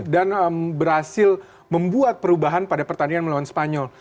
dan berhasil membuat perubahan pada pertandingan melawan spanyol